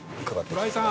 村井さん